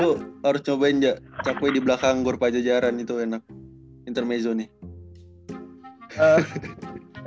iya lu harus cobain cakwe di belakang gore pajajaran itu enak intermezzo nih